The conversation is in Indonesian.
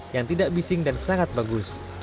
yang tidak bising dan sangat bagus